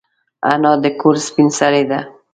انا د کور سپین سرې ده